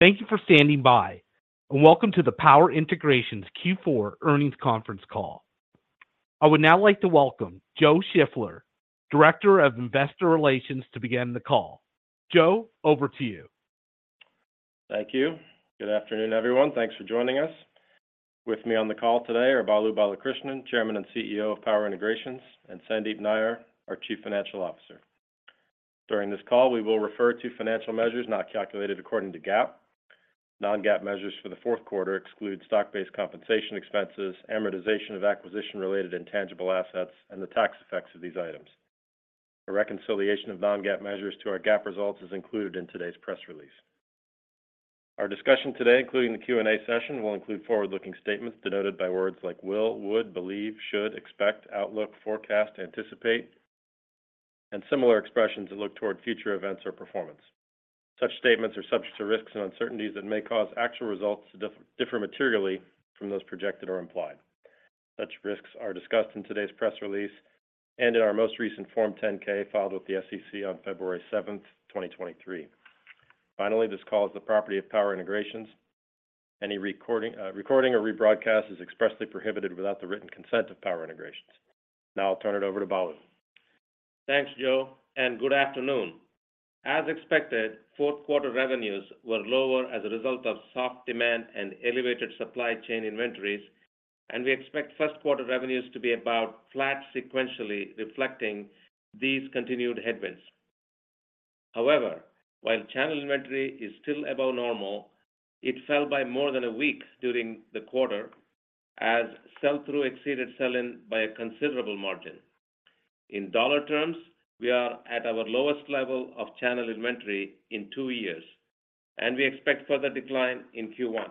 Thank you for standing by, and welcome to the Power Integrations Q4 earnings conference call. I would now like to welcome Joe Shiffler, Director of Investor Relations, to begin the call. Joe, over to you. Thank you. Good afternoon, everyone. Thanks for joining us. With me on the call today are Balu Balakrishnan, Chairman and CEO of Power Integrations, and Sandeep Nayyar, our Chief Financial Officer. During this call, we will refer to financial measures not calculated according to GAAP. Non-GAAP measures for the Q4 exclude stock-based compensation expenses, amortization of acquisition-related intangible assets, and the tax effects of these items. A reconciliation of non-GAAP measures to our GAAP results is included in today's press release. Our discussion today, including the Q&A session, will include forward-looking statements denoted by words like will, would, believe, should, expect, outlook, forecast, anticipate, and similar expressions that look toward future events or performance. Such statements are subject to risks and uncertainties that may cause actual results to differ materially from those projected or implied. Such risks are discussed in today's press release and in our most recent Form 10-K filed with the SEC on February 7th, 2023. Finally, this call is the property of Power Integrations. Any recording or rebroadcast is expressly prohibited without the written consent of Power Integrations. Now I'll turn it over to Balu. Thanks, Joe, and good afternoon. As expected, Q4 revenues were lower as a result of soft demand and elevated supply chain inventories, and we expect first quarter revenues to be about flat sequentially reflecting these continued headwinds. However, while channel inventory is still above normal, it fell by more than a week during the quarter as sell-through exceeded sell-in by a considerable margin. In dollar terms, we are at our lowest level of channel inventory in two years, and we expect further decline in Q1.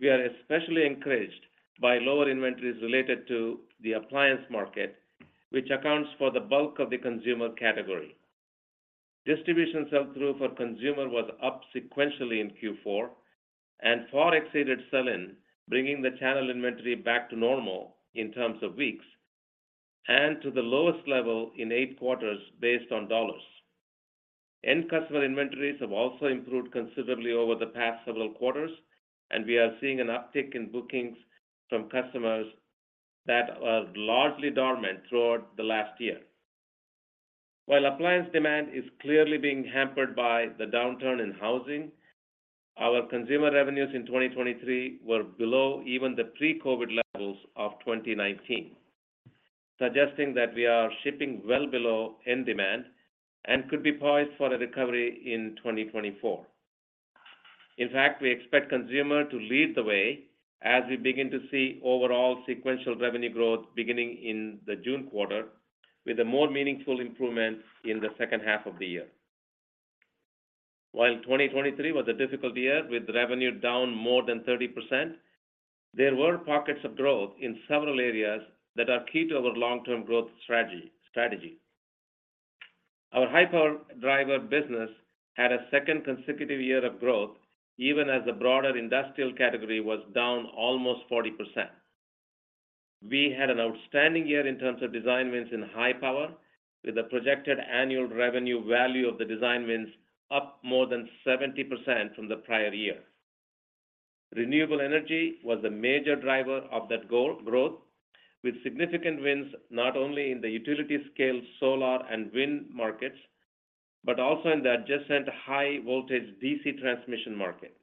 We are especially encouraged by lower inventories related to the appliance market, which accounts for the bulk of the consumer category. Distribution sell-through for consumer was up sequentially in Q4, and outflow exceeded sell-in, bringing the channel inventory back to normal in terms of weeks and to the lowest level in eight quarters based on dollars. End customer inventories have also improved considerably over the past several quarters, and we are seeing an uptick in bookings from customers that are largely dormant throughout the last year. While appliance demand is clearly being hampered by the downturn in housing, our consumer revenues in 2023 were below even the pre-COVID levels of 2019, suggesting that we are shipping well below end demand and could be poised for a recovery in 2024. In fact, we expect consumer to lead the way as we begin to see overall sequential revenue growth beginning in the June quarter with a more meaningful improvement in the H2 of the year. While 2023 was a difficult year with revenue down more than 30%, there were pockets of growth in several areas that are key to our long-term growth strategy. Our high-power driver business had a second consecutive year of growth even as the broader industrial category was down almost 40%. We had an outstanding year in terms of design wins in high power, with the projected annual revenue value of the design wins up more than 70% from the prior year. Renewable energy was the major driver of that growth, with significant wins not only in the utility-scale solar and wind markets but also in the adjacent high-voltage DC transmission market.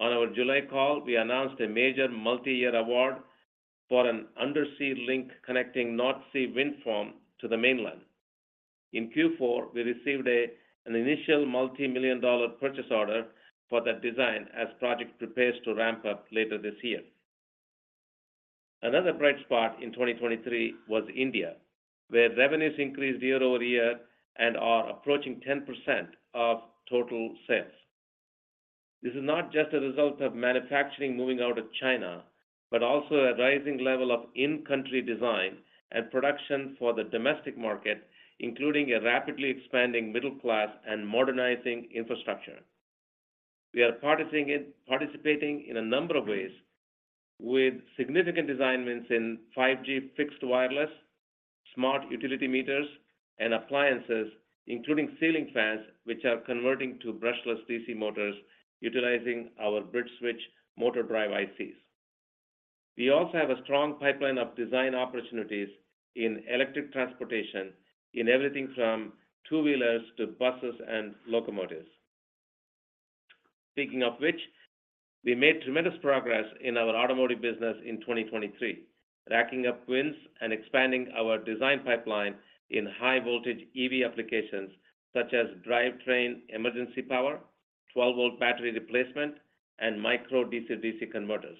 On our July call, we announced a major multi-year award for an undersea link connecting North Sea wind farm to the mainland. In Q4, we received an initial multi-million dollar purchase order for that design as project prepares to ramp up later this year. Another bright spot in 2023 was India, where revenues increased year-over-year and are approaching 10% of total sales. This is not just a result of manufacturing moving out of China but also a rising level of in-country design and production for the domestic market, including a rapidly expanding middle class and modernizing infrastructure. We are participating in a number of ways, with significant design wins in 5G fixed wireless, smart utility meters, and appliances, including ceiling fans which are converting to brushless DC motors utilizing our BridgeSwitch motor drive ICs. We also have a strong pipeline of design opportunities in electric transportation, in everything from two-wheelers to buses and locomotives. Speaking of which, we made tremendous progress in our automotive business in 2023, racking up wins and expanding our design pipeline in high-voltage EV applications such as drivetrain emergency power, 12V battery replacement, and micro DC-DC converters.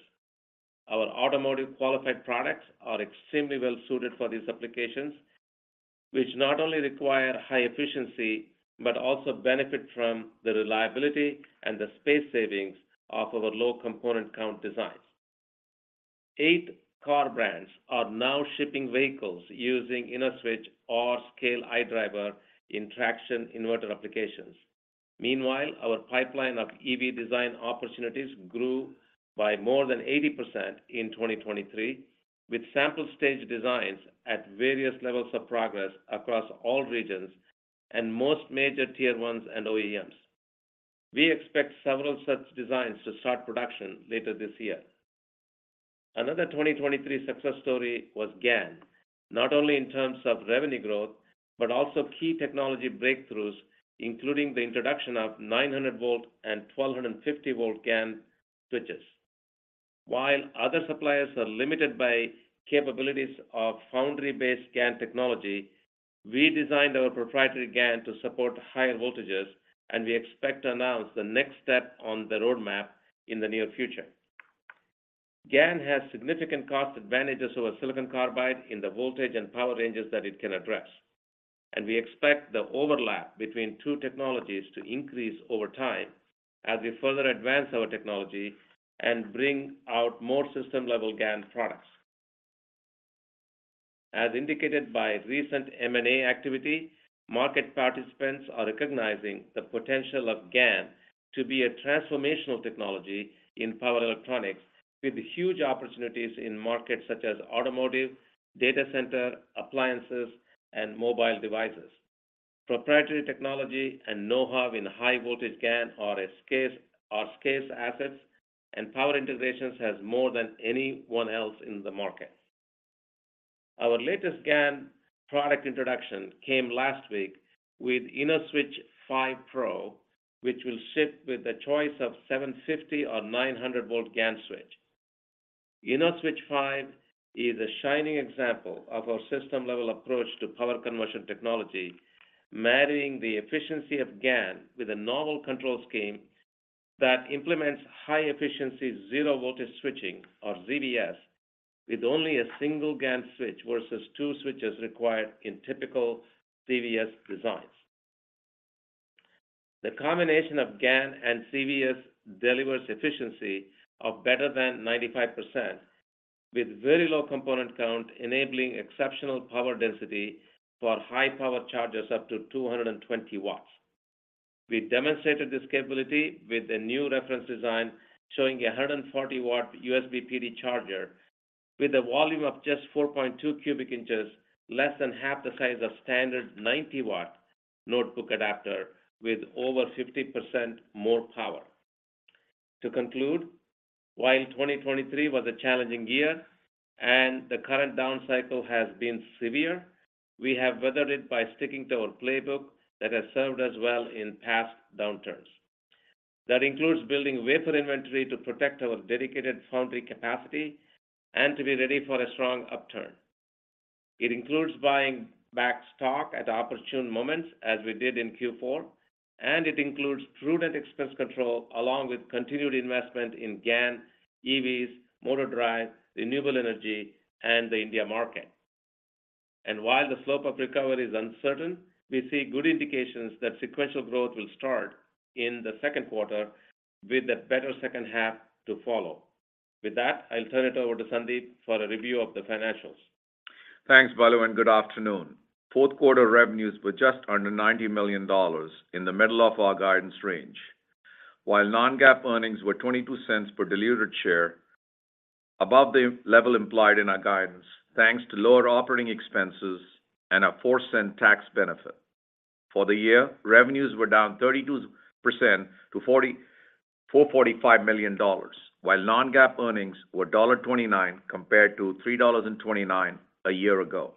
Our automotive qualified products are extremely well suited for these applications, which not only require high efficiency but also benefit from the reliability and the space savings of our low component count designs. Eight car brands are now shipping vehicles using InnoSwitch, SCALE-iDriver in traction inverter applications. Meanwhile, our pipeline of EV design opportunities grew by more than 80% in 2023, with sample stage designs at various levels of progress across all regions and most major Tier 1s and OEMs. We expect several such designs to start production later this year. Another 2023 success story was GaN, not only in terms of revenue growth but also key technology breakthroughs, including the introduction of 900V and 1250V GaN switches. While other suppliers are limited by capabilities of foundry-based GaN technology, we designed our proprietary GaN to support higher voltages, and we expect to announce the next step on the roadmap in the near future. GaN has significant cost advantages over silicon carbide in the voltage and power ranges that it can address, and we expect the overlap between two technologies to increase over time as we further advance our technology and bring out more system-level GaN products. As indicated by recent M&A activity, market participants are recognizing the potential of GaN to be a transformational technology in power electronics, with huge opportunities in markets such as automotive, data center, appliances, and mobile devices. Proprietary technology and know-how in high-voltage GaN are scarce assets, and Power Integrations has more than anyone else in the market. Our latest GaN product introduction came last week with InnoSwitch 5-Pro, which will ship with the choice of 750 or 900V GaN switch. InnoSwitch 5 is a shining example of our system-level approach to power conversion technology, marrying the efficiency of GaN with a novel control scheme that implements high-efficiency zero-voltage switching or ZVS, with only a single GaN switch versus two switches required in typical ZVS designs. The combination of GaN and ZVS delivers efficiency of better than 95%, with very low component count enabling exceptional power density for high-power chargers up to 220W. We demonstrated this capability with a new reference design showing a 140W USB PD charger with a volume of just 4.2 cubic inches, less than half the size of standard 90W notebook adapter, with over 50% more power. To conclude, while 2023 was a challenging year and the current down cycle has been severe, we have weathered it by sticking to our playbook that has served us well in past downturns. That includes building wafer inventory to protect our dedicated foundry capacity and to be ready for a strong upturn. It includes buying back stock at opportune moments as we did in Q4, and it includes prudent expense control along with continued investment in GaN, EVs, motor drive, renewable energy, and the India market. And while the slope of recovery is uncertain, we see good indications that sequential growth will start in the second quarter with a better H2 to follow. With that, I'll turn it over to Sandeep for a review of the financials. Thanks, Balu, and good afternoon. Q4 revenues were just under $90 million in the middle of our guidance range, while non-GAAP earnings were $0.22 per diluted share, above the level implied in our guidance thanks to lower operating expenses and a $0.04 tax benefit. For the year, revenues were down 32% to $445 million, while non-GAAP earnings were $1.29 compared to $3.29 a year ago.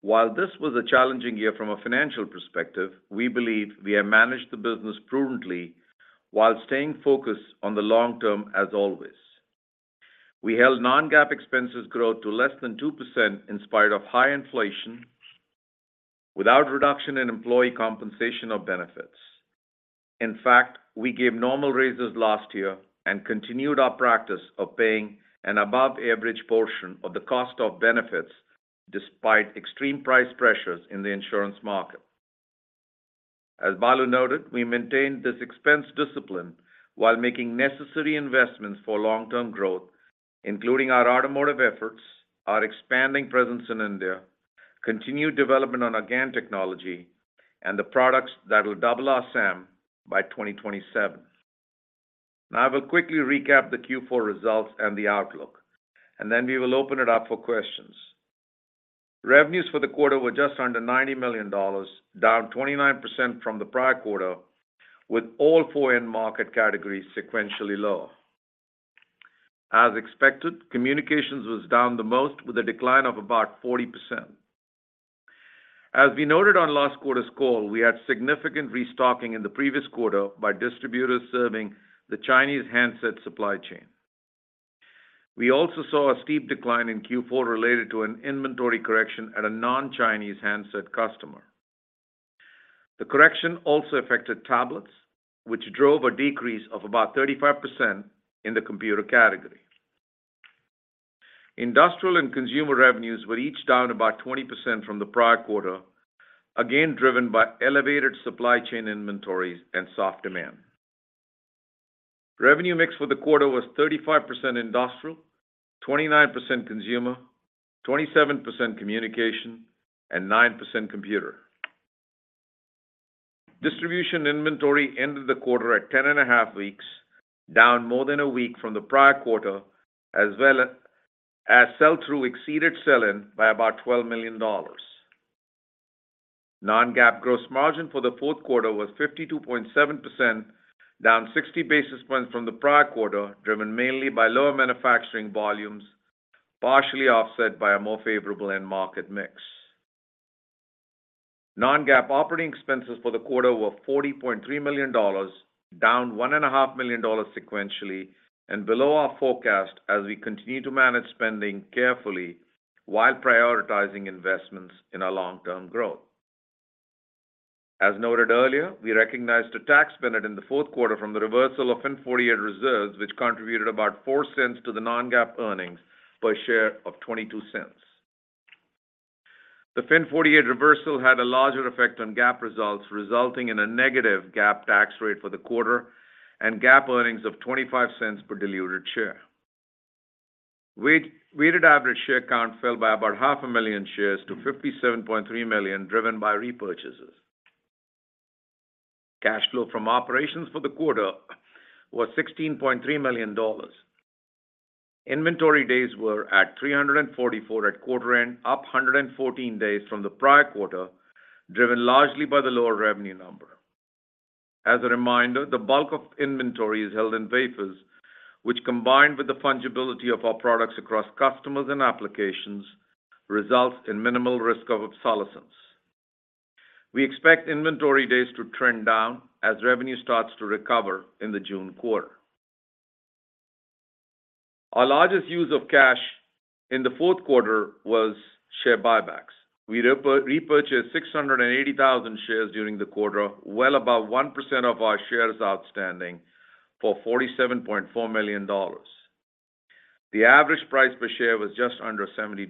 While this was a challenging year from a financial perspective, we believe we have managed the business prudently while staying focused on the long term as always. We held non-GAAP expenses growth to less than 2% in spite of high inflation without reduction in employee compensation or benefits. In fact, we gave normal raises last year and continued our practice of paying an above-average portion of the cost of benefits despite extreme price pressures in the insurance market. As Balu noted, we maintained this expense discipline while making necessary investments for long-term growth, including our automotive efforts, our expanding presence in India, continued development on our GaN technology, and the products that will double our SAM by 2027. Now I will quickly recap the Q4 results and the outlook, and then we will open it up for questions. Revenues for the quarter were just under $90 million, down 29% from the prior quarter, with all four end market categories sequentially lower. As expected, communications was down the most with a decline of about 40%. As we noted on last quarter's call, we had significant restocking in the previous quarter by distributors serving the Chinese handset supply chain. We also saw a steep decline in Q4 related to an inventory correction at a non-Chinese handset customer. The correction also affected tablets, which drove a decrease of about 35% in the computer category. Industrial and consumer revenues were each down about 20% from the prior quarter, again driven by elevated supply chain inventories and soft demand. Revenue mix for the quarter was 35% industrial, 29% consumer, 27% communication, and 9% computer. Distribution inventory ended the quarter at 10.5 weeks, down more than a week from the prior quarter, as well as sell-through exceeded sell-in by about $12 million. Non-GAAP gross margin for the Q4 was 52.7%, down 60 basis points from the prior quarter, driven mainly by lower manufacturing volumes, partially offset by a more favorable end market mix. Non-GAAP operating expenses for the quarter were $40.3 million, down $1.5 million sequentially and below our forecast as we continue to manage spending carefully while prioritizing investments in our long-term growth. As noted earlier, we recognized a tax benefit in the Q4 from the reversal of FIN 48 reserves, which contributed about $0.04 to the non-GAAP earnings per share of $0.22. The FIN 48 reversal had a larger effect on GAAP results, resulting in a negative GAAP tax rate for the quarter and GAAP earnings of $0.25 per diluted share. Weighted average share count fell by about 500,000 shares to 57.3 million, driven by repurchases. Cash flow from operations for the quarter was $16.3 million. Inventory days were at 344 at quarter end, up 114 days from the prior quarter, driven largely by the lower revenue number. As a reminder, the bulk of inventory is held in wafers, which, combined with the fungibility of our products across customers and applications, results in minimal risk of obsolescence. We expect inventory days to trend down as revenue starts to recover in the June quarter. Our largest use of cash in the fourth quarter was share buybacks. We repurchased 680,000 shares during the quarter, well above 1% of our shares outstanding for $47.4 million. The average price per share was just under $70.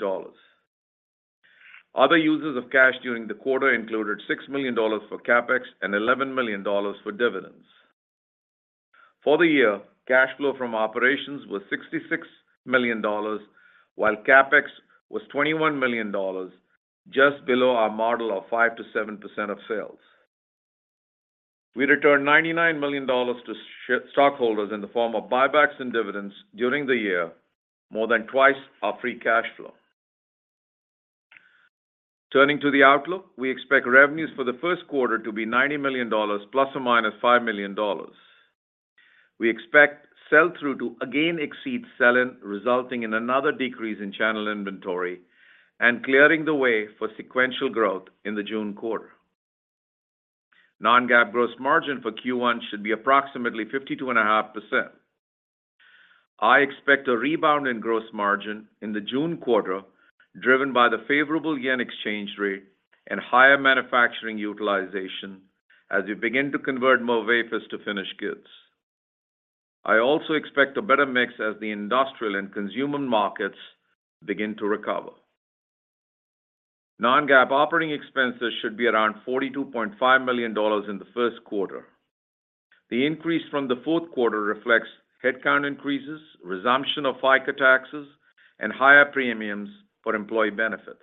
Other uses of cash during the quarter included $6 million for CapEx and $11 million for dividends. For the year, cash flow from operations was $66 million, while CapEx was $21 million, just below our model of 5%-7% of sales. We returned $99 million to stockholders in the form of buybacks and dividends during the year, more than twice our free cash flow. Turning to the outlook, we expect revenues for the Q1 to be $90 million, ±$5 million. We expect sell-through to again exceed sell-in, resulting in another decrease in channel inventory and clearing the way for sequential growth in the June quarter. Non-GAAP gross margin for Q1 should be approximately 52.5%. I expect a rebound in gross margin in the June quarter, driven by the favorable yen exchange rate and higher manufacturing utilization as we begin to convert more wafers to finished goods. I also expect a better mix as the industrial and consumer markets begin to recover. Non-GAAP operating expenses should be around $42.5 million in the Q1. The increase from the Q4 reflects headcount increases, resumption of FICA taxes, and higher premiums for employee benefits.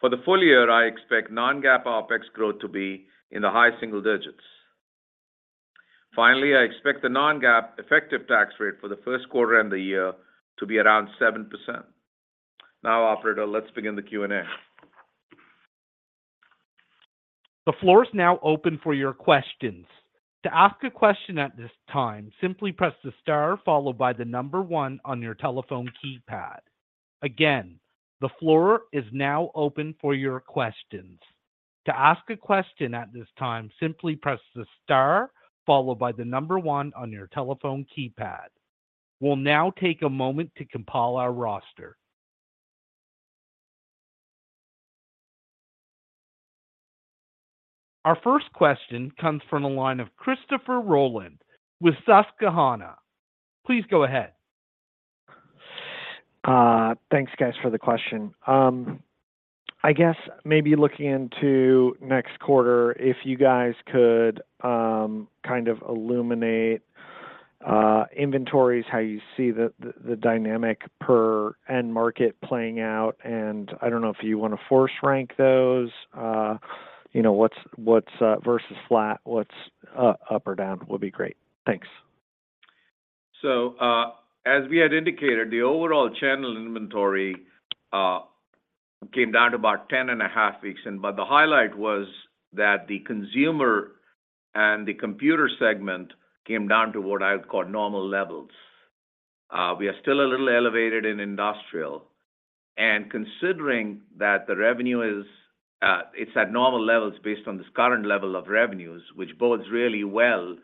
For the full year, I expect non-GAAP OpEx growth to be in the high single digits. Finally, I expect the Non-GAAP effective tax rate for the Q1 and the year to be around 7%. Now, operator, let's begin the Q&A. The floor is now open for your questions. To ask a question at this time, simply press the star followed by the number one on your telephone keypad. Again, the floor is now open for your questions. To ask a question at this time, simply press the star followed by the number one on your telephone keypad. We'll now take a moment to compile our roster. Our first question comes from a line of Christopher Rolland with Susquehanna. Please go ahead. Thanks, guys, for the question. I guess maybe looking into next quarter, if you guys could kind of illuminate inventories, how you see the dynamic per end market playing out? And I don't know if you want to force rank those. What's versus flat, what's up or down would be great. Thanks. So as we had indicated, the overall channel inventory came down to about 10.5 weeks. But the highlight was that the consumer and the computer segment came down to what I would call normal levels. We are still a little elevated in industrial. And considering that the revenue is at normal levels based on this current level of revenues, which bodes really well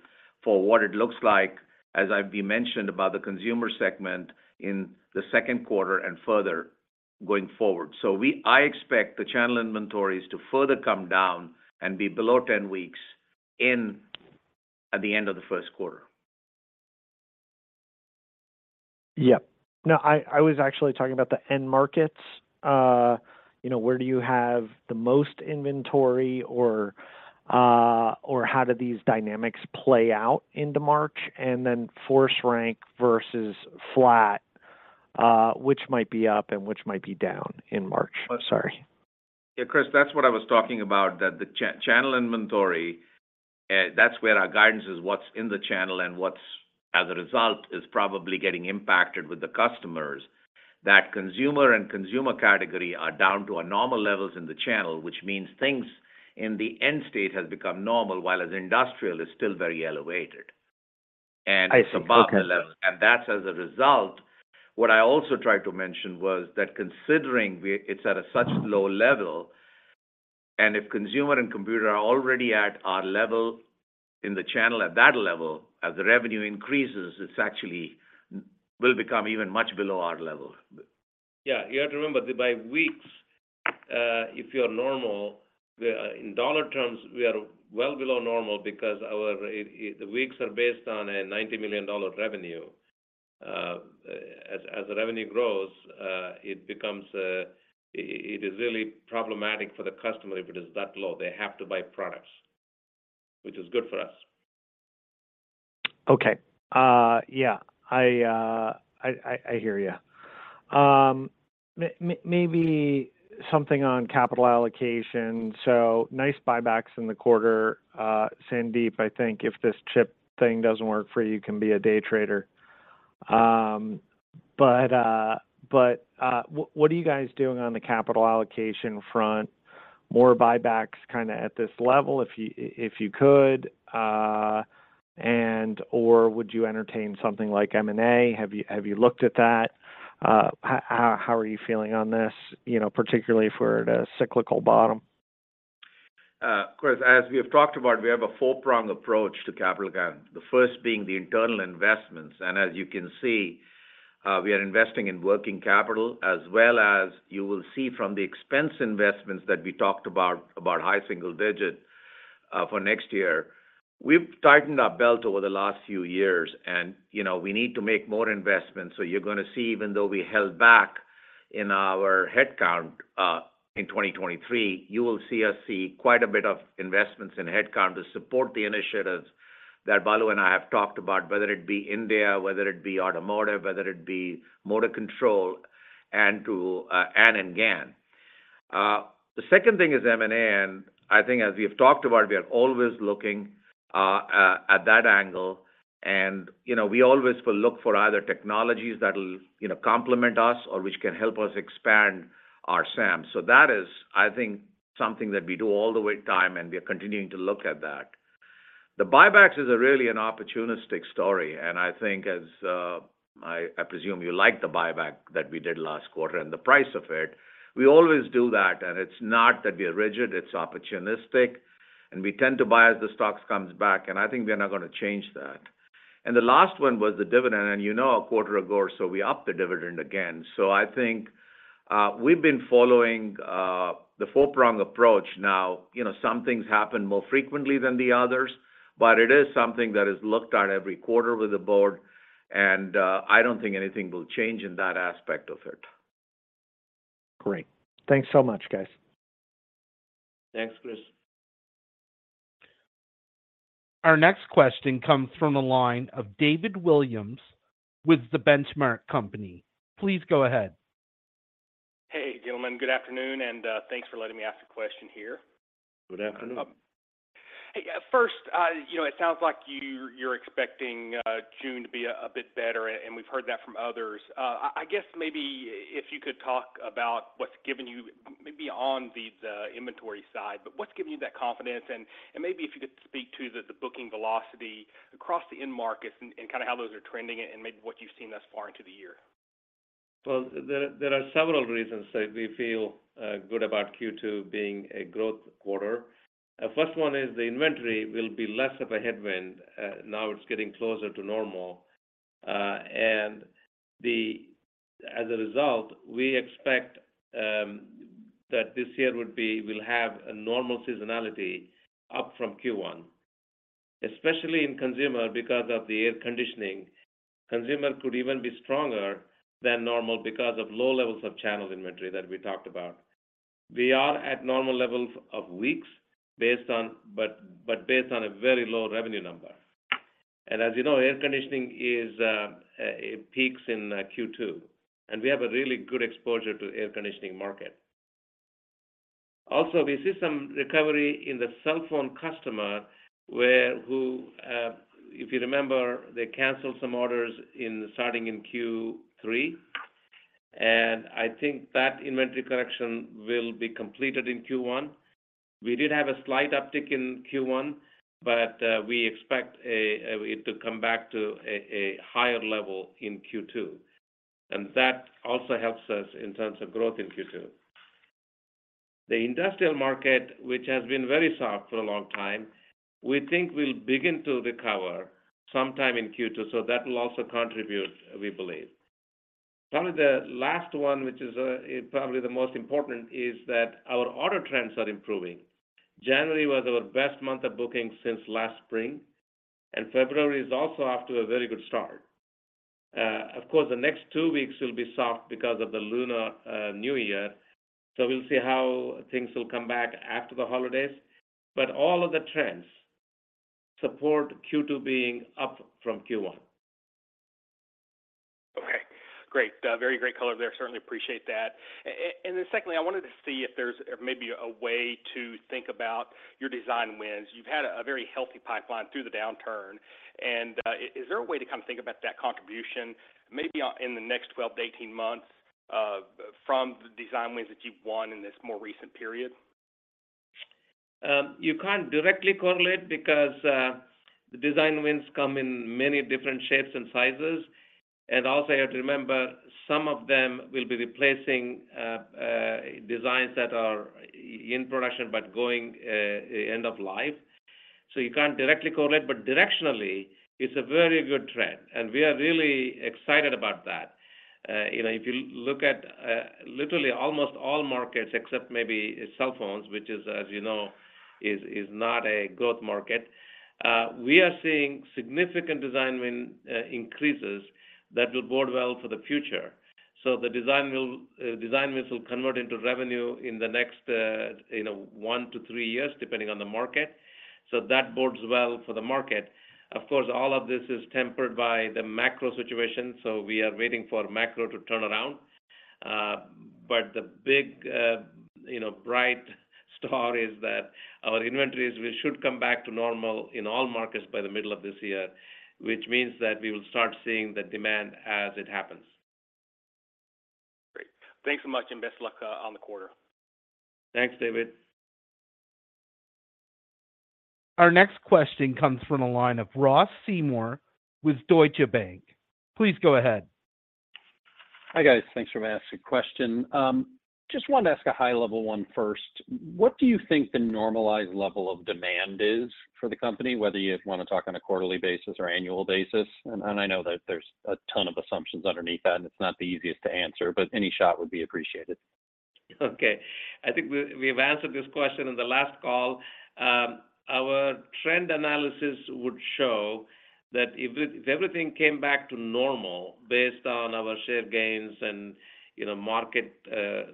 for what it looks like, as we mentioned about the consumer segment in the Q2 and further going forward. So I expect the channel inventories to further come down and be below 10 weeks at the end of the Q1. Yeah. No, I was actually talking about the end markets. Where do you have the most inventory or how do these dynamics play out into March and then force rank versus flat, which might be up and which might be down in March? Sorry. Yeah, Chris, that's what I was talking about, that the channel inventory, that's where our guidance is, what's in the channel and what's, as a result, is probably getting impacted with the customers. That consumer and computer category are down to our normal levels in the channel, which means things in the end state have become normal, whereas industrial is still very elevated and above the level. That's, as a result, what I also tried to mention was that considering it's at such a low level, and if consumer and computer are already at our level in the channel, at that level, as the revenue increases, it actually will become even much below our level. Yeah, you have to remember that by weeks, if you're normal, in dollar terms, we are well below normal because the weeks are based on a $90 million revenue. As the revenue grows, it is really problematic for the customer if it is that low. They have to buy products, which is good for us. Okay. Yeah, I hear you. Maybe something on capital allocation. So nice buybacks in the quarter. Sandeep, I think if this chip thing doesn't work for you, you can be a day trader. But what are you guys doing on the capital allocation front? More buybacks kind of at this level if you could, or would you entertain something like M&A? Have you looked at that? How are you feeling on this, particularly if we're at a cyclical bottom? Of course, as we have talked about, we have a four-prong approach to capital gain, the first being the internal investments. And as you can see, we are investing in working capital, as well as you will see from the expense investments that we talked about, about high single digit for next year. We've tightened our belt over the last few years, and we need to make more investments. So you're going to see, even though we held back in our headcount in 2023, you will see us see quite a bit of investments in headcount to support the initiatives that Balu and I have talked about, whether it be India, whether it be automotive, whether it be motor control, and to Inno and GaN. The second thing is M&A. And I think as we have talked about, we are always looking at that angle. And we always look for either technologies that will complement us or which can help us expand our SAM. So that is, I think, something that we do all the time, and we are continuing to look at that. The buybacks is really an opportunistic story. And I think, as I presume, you like the buyback that we did last quarter and the price of it. We always do that. And it's not that we are rigid. It's opportunistic. And we tend to buy as the stocks come back. And I think we are not going to change that. And the last one was the dividend. And you know, a quarter ago, or so we upped the dividend again. So I think we've been following the four-prong approach now. Some things happen more frequently than the others, but it is something that is looked at every quarter with the board. I don't think anything will change in that aspect of it. Great. Thanks so much, guys. Thanks, Chris. Our next question comes from a line of David Williams with The Benchmark Company. Please go ahead. Hey, gentlemen. Good afternoon. Thanks for letting me ask a question here. Good afternoon. First, it sounds like you're expecting June to be a bit better, and we've heard that from others. I guess maybe if you could talk about what's given you maybe on the inventory side, but what's given you that confidence? And maybe if you could speak to the booking velocity across the end markets and kind of how those are trending and maybe what you've seen thus far into the year. Well, there are several reasons that we feel good about Q2 being a growth quarter. The first one is the inventory will be less of a headwind. Now it's getting closer to normal. And as a result, we expect that this year will have a normal seasonality up from Q1, especially in consumer because of the air conditioning. Consumer could even be stronger than normal because of low levels of channel inventory that we talked about. We are at normal levels of weeks but based on a very low revenue number. And as you know, air conditioning peaks in Q2, and we have a really good exposure to the air conditioning market. Also, we see some recovery in the cell phone customer who, if you remember, they canceled some orders starting in Q3. And I think that inventory correction will be completed in Q1. We did have a slight uptick in Q1, but we expect it to come back to a higher level in Q2. And that also helps us in terms of growth in Q2. The industrial market, which has been very soft for a long time, we think will begin to recover sometime in Q2. So that will also contribute, we believe. Probably the last one, which is probably the most important, is that our order trends are improving. January was our best month of bookings since last spring, and February is also off to a very good start. Of course, the next two weeks will be soft because of the Lunar New Year. So we'll see how things will come back after the holidays. But all of the trends support Q2 being up from Q1. Okay. Great. Very great color there. Certainly appreciate that. Then secondly, I wanted to see if there's maybe a way to think about your design wins. You've had a very healthy pipeline through the downturn. Is there a way to kind of think about that contribution maybe in the next 12-18 months from the design wins that you've won in this more recent period? You can't directly correlate because the design wins come in many different shapes and sizes. And also, you have to remember, some of them will be replacing designs that are in production but going end of life. So you can't directly correlate, but directionally, it's a very good trend. And we are really excited about that. If you look at literally almost all markets except maybe cell phones, which, as you know, is not a growth market, we are seeing significant design win increases that will bode well for the future. So the design wins will convert into revenue in the next 1-3 years, depending on the market. So that bodes well for the market. Of course, all of this is tempered by the macro situation. So we are waiting for macro to turn around. The big, bright star is that our inventories should come back to normal in all markets by the middle of this year, which means that we will start seeing the demand as it happens. Great. Thanks so much, and best luck on the quarter. Thanks, David. Our next question comes from a line of Ross Seymore with Deutsche Bank. Please go ahead. Hi, guys. Thanks for asking the question. Just wanted to ask a high-level one first. What do you think the normalized level of demand is for the company, whether you want to talk on a quarterly basis or annual basis? I know that there's a ton of assumptions underneath that, and it's not the easiest to answer, but any shot would be appreciated. Okay. I think we have answered this question in the last call. Our trend analysis would show that if everything came back to normal based on our share gains and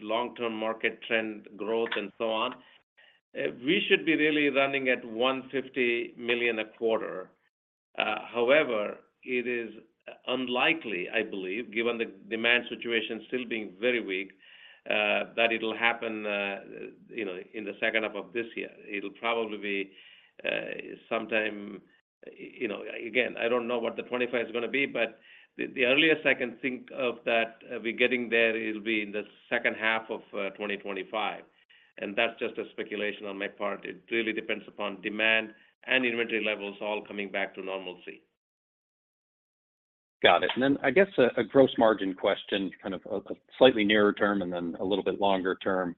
long-term market trend growth and so on, we should be really running at $150 million a quarter. However, it is unlikely, I believe, given the demand situation still being very weak, that it will happen in the H2 of this year. It will probably be sometime again, I don't know what 2025 is going to be, but the earliest I can think of that we're getting there will be in the H2 of 2025. And that's just a speculation on my part. It really depends upon demand and inventory levels all coming back to normalcy. Got it. And then I guess a gross margin question, kind of a slightly nearer term and then a little bit longer term.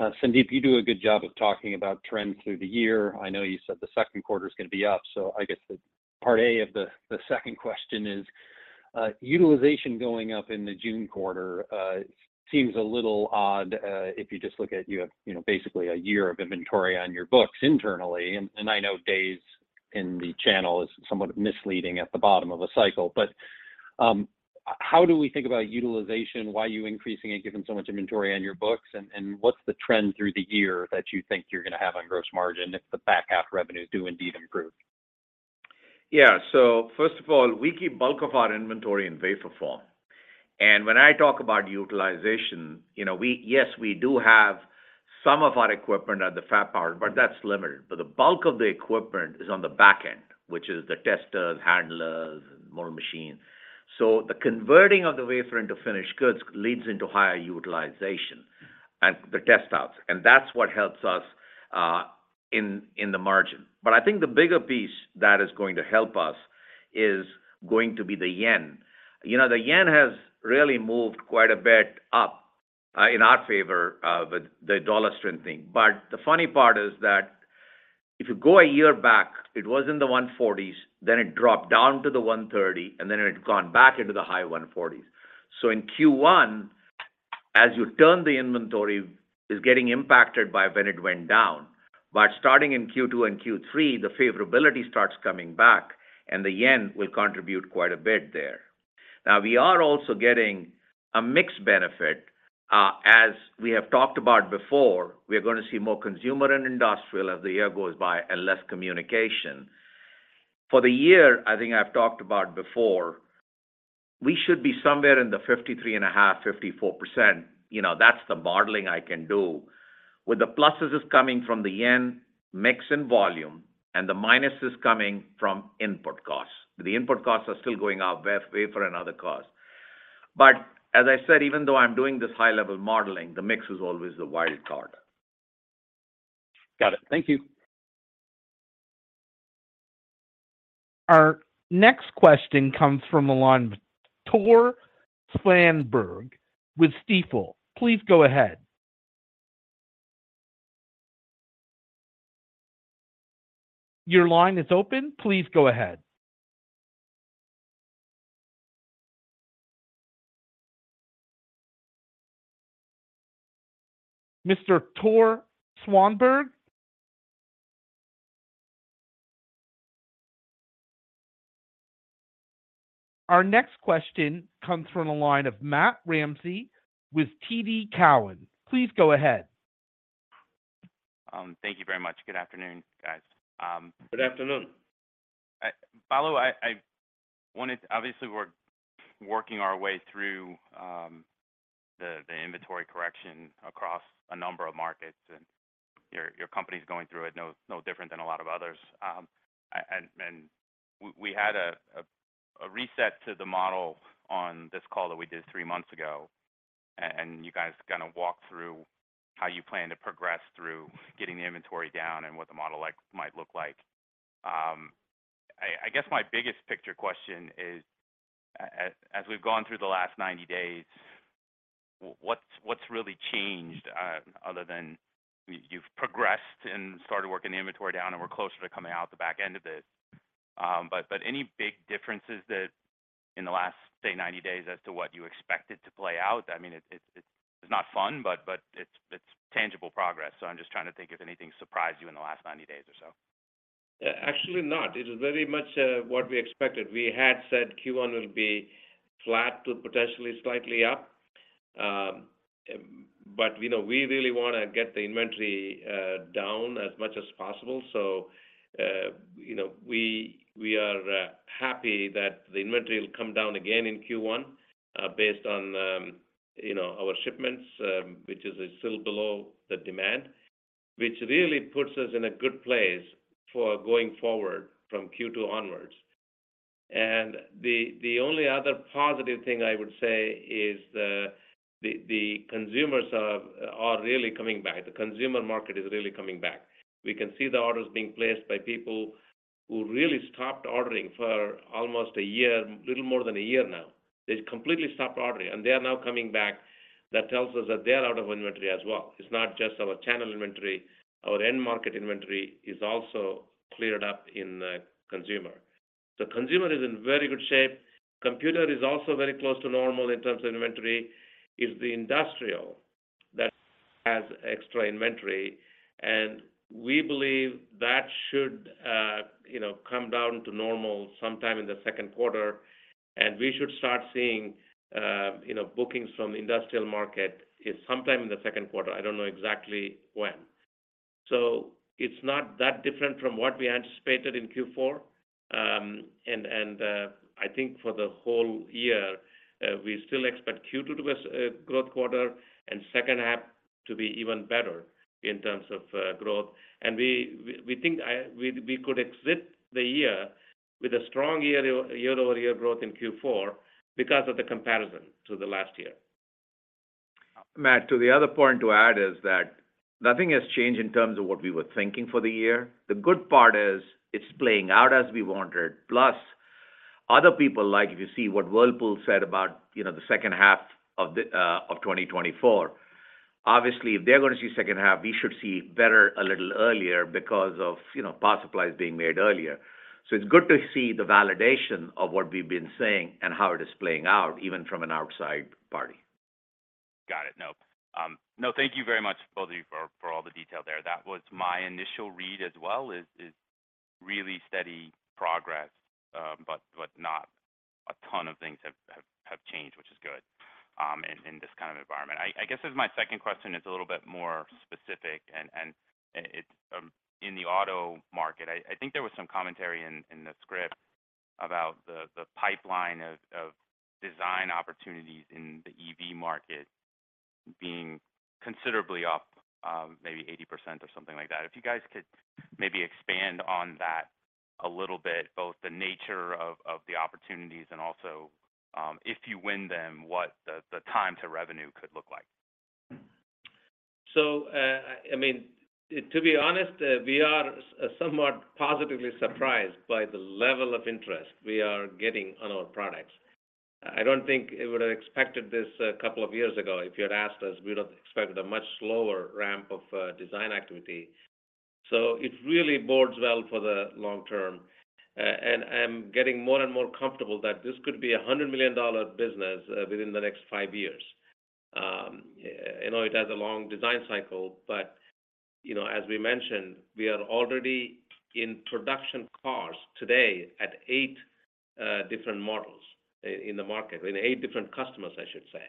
Sandeep, you do a good job of talking about trends through the year. I know you said the second quarter is going to be up. So I guess part A of the second question is utilization going up in the June quarter seems a little odd if you just look at, you have basically a year of inventory on your books internally. And I know days in the channel is somewhat misleading at the bottom of a cycle. But how do we think about utilization, why are you increasing it given so much inventory on your books, and what's the trend through the year that you think you're going to have on gross margin if the back half revenues do indeed improve? Yeah. So first of all, we keep bulk of our inventory in wafer form. And when I talk about utilization, yes, we do have some of our equipment at the fab part, but that's limited. But the bulk of the equipment is on the back end, which is the testers, handlers, and more machines. So the converting of the wafer into finished goods leads into higher utilization and the test outs. And that's what helps us in the margin. But I think the bigger piece that is going to help us is going to be the yen. The yen has really moved quite a bit up in our favor with the dollar strengthening. But the funny part is that if you go a year back, it was in the 140s, then it dropped down to the 130, and then it had gone back into the high 140s. So in Q1, as you turn the inventory, it's getting impacted by when it went down. But starting in Q2 and Q3, the favorability starts coming back, and the yen will contribute quite a bit there. Now, we are also getting a mixed benefit. As we have talked about before, we are going to see more consumer and industrial as the year goes by and less communication. For the year, I think I've talked about before, we should be somewhere in the 53.5%-54%. That's the modeling I can do. With the pluses coming from the yen, mix and volume, and the minuses coming from input costs. The input costs are still going up, wafer and other costs. But as I said, even though I'm doing this high-level modeling, the mix is always the wild card. Got it. Thank you. Our next question comes from Tore Svanberg with Stifel. Please go ahead. Your line is open. Please go ahead. Mr. Svanberg? Our next question comes from a line of Matt Ramsay with TD Cowen. Please go ahead. Thank you very much. Good afternoon, guys. Good afternoon. Balu, obviously, we're working our way through the inventory correction across a number of markets, and your company is going through it no different than a lot of others. And we had a reset to the model on this call that we did three months ago, and you guys kind of walked through how you plan to progress through getting the inventory down and what the model might look like. I guess my biggest picture question is, as we've gone through the last 90 days, what's really changed other than you've progressed and started working the inventory down, and we're closer to coming out the back end of this? But any big differences in the last, say, 90 days as to what you expected to play out? I mean, it's not fun, but it's tangible progress. I'm just trying to think if anything surprised you in the last 90 days or so? Actually, not. It is very much what we expected. We had said Q1 will be flat to potentially slightly up. But we really want to get the inventory down as much as possible. So we are happy that the inventory will come down again in Q1 based on our shipments, which is still below the demand, which really puts us in a good place for going forward from Q2 onwards. And the only other positive thing I would say is the consumers are really coming back. The consumer market is really coming back. We can see the orders being placed by people who really stopped ordering for almost a year, a little more than a year now. They completely stopped ordering, and they are now coming back. That tells us that they are out of inventory as well. It's not just our channel inventory. Our end market inventory is also cleared up in consumer. So consumer is in very good shape. Computer is also very close to normal in terms of inventory. It's the industrial that has extra inventory. And we believe that should come down to normal sometime in the Q2. And we should start seeing bookings from the industrial market sometime in the Q2. I don't know exactly when. So it's not that different from what we anticipated in Q4. And I think for the whole year, we still expect Q2 to be a growth quarter and H2 to be even better in terms of growth. And we think we could exit the year with a strong year-over-year growth in Q4 because of the comparison to the last year. Matt, to the other point to add is that nothing has changed in terms of what we were thinking for the year. The good part is it's playing out as we wanted. Plus, other people, like if you see what Whirlpool said about the H2 of 2024, obviously, if they're going to see H2, we should see better a little earlier because of power supplies being made earlier. So it's good to see the validation of what we've been saying and how it is playing out, even from an outside party. Got it. Nope. No, thank you very much, both of you, for all the detail there. That was my initial read as well, is really steady progress, but not a ton of things have changed, which is good in this kind of environment. I guess my second question is a little bit more specific. In the auto market, I think there was some commentary in the script about the pipeline of design opportunities in the EV market being considerably up, maybe 80% or something like that. If you guys could maybe expand on that a little bit, both the nature of the opportunities and also, if you win them, what the time to revenue could look like. So, I mean, to be honest, we are somewhat positively surprised by the level of interest we are getting on our products. I don't think we would have expected this a couple of years ago. If you had asked us, we would have expected a much slower ramp of design activity. So it really bodes well for the long term. And I'm getting more and more comfortable that this could be a $100 million business within the next five years. It has a long design cycle. But as we mentioned, we are already in production costs today at eight different models in the market, in eight different customers, I should say.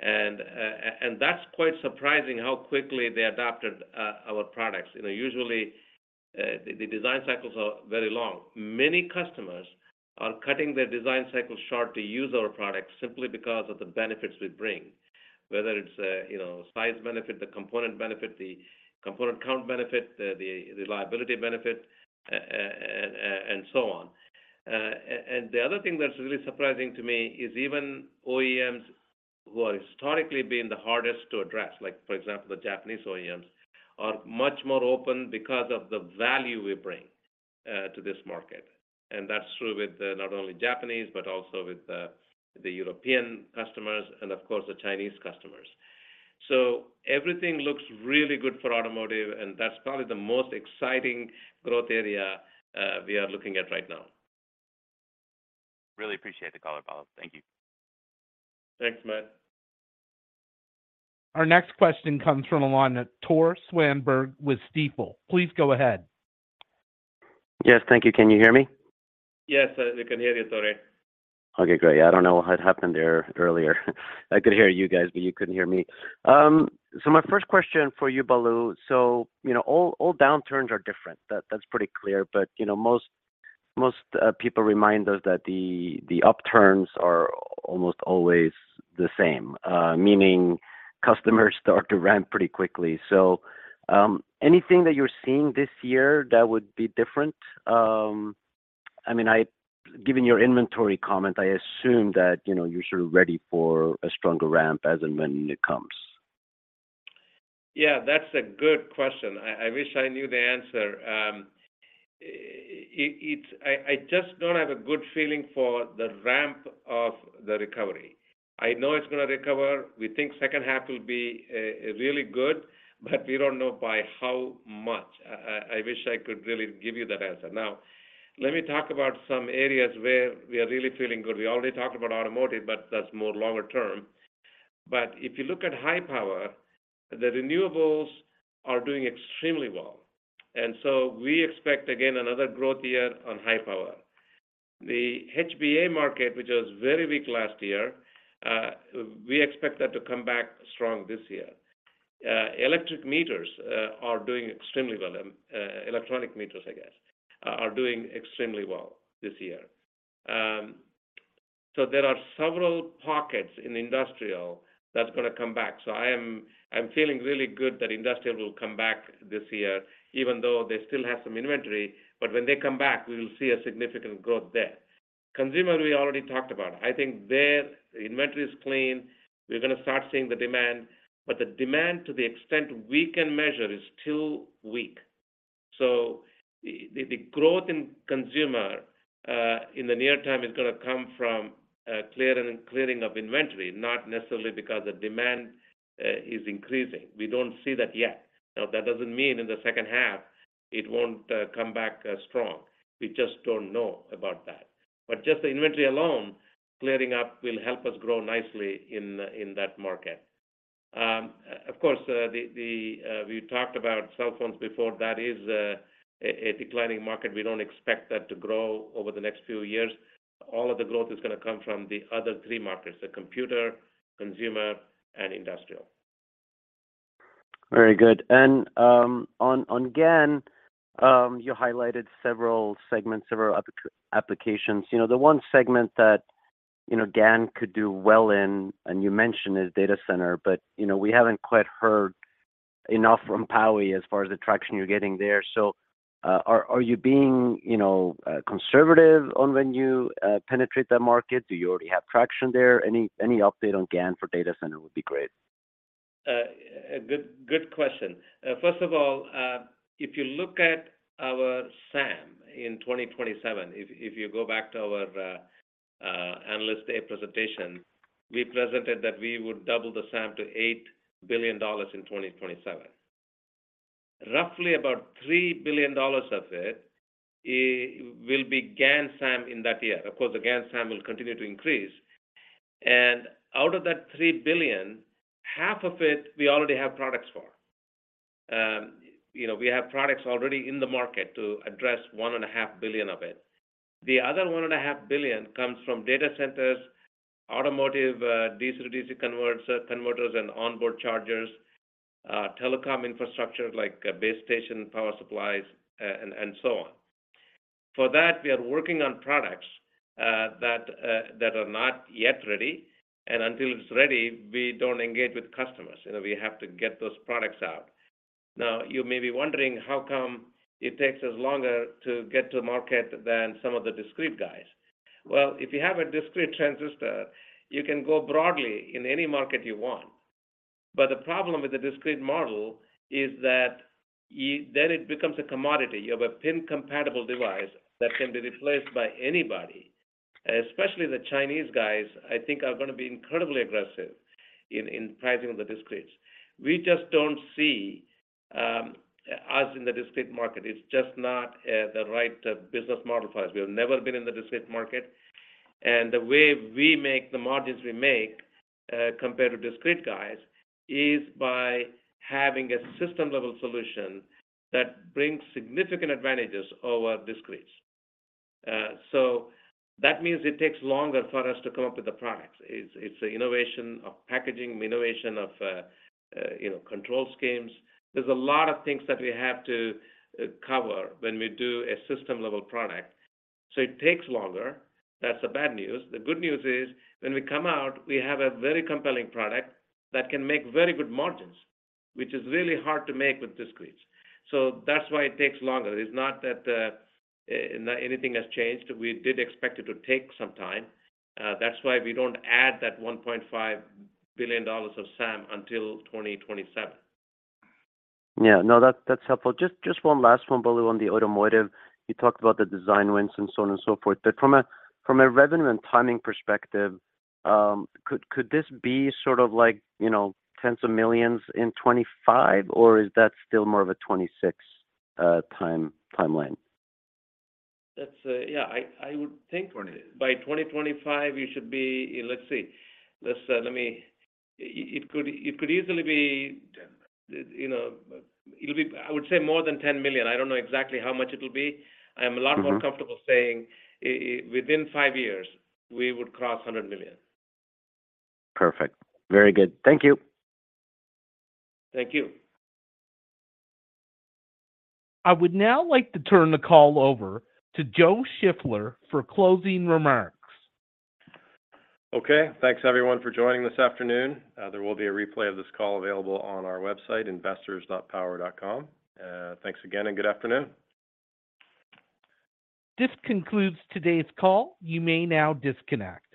And that's quite surprising how quickly they adopted our products. Usually, the design cycles are very long. Many customers are cutting their design cycle short to use our products simply because of the benefits we bring, whether it's size benefit, the component benefit, the component count benefit, the reliability benefit, and so on. And the other thing that's really surprising to me is even OEMs who have historically been the hardest to address, like, for example, the Japanese OEMs, are much more open because of the value we bring to this market. And that's true with not only Japanese but also with the European customers and, of course, the Chinese customers. So everything looks really good for automotive, and that's probably the most exciting growth area we are looking at right now. Really appreciate the call, Balu. Thank you. Thanks, Matt. Our next question comes from a line of Tore Svanberg with Stifel. Please go ahead. Yes. Thank you. Can you hear me? Yes, we can hear you, Tore. Okay. Great. Yeah. I don't know what had happened there earlier. I could hear you guys, but you couldn't hear me. So my first question for you, Balu. So all downturns are different. That's pretty clear. But most people remind us that the upturns are almost always the same, meaning customers start to ramp pretty quickly. So anything that you're seeing this year that would be different? I mean, given your inventory comment, I assume that you're sort of ready for a stronger ramp as and when it comes. Yeah. That's a good question. I wish I knew the answer. I just don't have a good feeling for the ramp of the recovery. I know it's going to recover. We think H2 will be really good, but we don't know by how much. I wish I could really give you that answer. Now, let me talk about some areas where we are really feeling good. We already talked about automotive, but that's more longer term. But if you look at high power, the renewables are doing extremely well. And so we expect, again, another growth year on high power. The HBA market, which was very weak last year, we expect that to come back strong this year. Electric meters are doing extremely well. Electronic meters, I guess, are doing extremely well this year. So there are several pockets in industrial that's going to come back. So I'm feeling really good that industrial will come back this year, even though they still have some inventory. But when they come back, we will see a significant growth there. Consumer, we already talked about. I think the inventory is clean. We're going to start seeing the demand. But the demand, to the extent we can measure, is still weak. So the growth in consumer in the near term is going to come from clearing of inventory, not necessarily because the demand is increasing. We don't see that yet. Now, that doesn't mean in the H2, it won't come back strong. We just don't know about that. But just the inventory alone, clearing up will help us grow nicely in that market. Of course, we talked about cell phones before. That is a declining market. We don't expect that to grow over the next few years. All of the growth is going to come from the other three markets: the computer, consumer, and industrial. Very good. And on GaN, you highlighted several segments, several applications. The one segment that GaN could do well in, and you mentioned, is data center. But we haven't quite heard enough from Power Integrations as far as the traction you're getting there. So are you being conservative on when you penetrate that market? Do you already have traction there? Any update on GaN for data center would be great. Good question. First of all, if you look at our SAM in 2027, if you go back to our analyst day presentation, we presented that we would double the SAM to $8 billion in 2027. Roughly about $3 billion of it will be GaN SAM in that year. Of course, the GaN SAM will continue to increase. And out of that $3 billion, half of it we already have products for. We have products already in the market to address $1.5 billion of it. The other $1.5 billion comes from data centers, automotive, DC-DC converters, and onboard chargers, telecom infrastructure like base station power supplies, and so on. For that, we are working on products that are not yet ready. And until it's ready, we don't engage with customers. We have to get those products out. Now, you may be wondering how come it takes us longer to get to market than some of the discrete guys. Well, if you have a discrete transistor, you can go broadly in any market you want. But the problem with the discrete model is that then it becomes a commodity. You have a pin-compatible device that can be replaced by anybody, especially the Chinese guys, I think, are going to be incredibly aggressive in pricing the discrete. We just don't see us in the discrete market. It's just not the right business model for us. We have never been in the discrete market. And the way we make the margins we make compared to discrete guys is by having a system-level solution that brings significant advantages over discrete. So that means it takes longer for us to come up with the products. It's an innovation of packaging, an innovation of control schemes. There's a lot of things that we have to cover when we do a system-level product. So it takes longer. That's the bad news. The good news is when we come out, we have a very compelling product that can make very good margins, which is really hard to make with discrete. So that's why it takes longer. It's not that anything has changed. We did expect it to take some time. That's why we don't add that $1.5 billion of SAM until 2027. Yeah. No, that's helpful. Just one last one, Balu, on the automotive. You talked about the design wins and so on and so forth. But from a revenue and timing perspective, could this be sort of like tens of millions in 2025, or is that still more of a 2026 timeline? Yeah. I would think by 2025, you should be. Let's see. It could easily be it'll be, I would say, more than $10 million. I don't know exactly how much it'll be. I am a lot more comfortable saying within five years, we would cross $100 million. Perfect. Very good. Thank you. Thank you. I would now like to turn the call over to Joe Shiffler for closing remarks. Okay. Thanks, everyone, for joining this afternoon. There will be a replay of this call available on our website, investors.power.com. Thanks again, and good afternoon. This concludes today's call. You may now disconnect.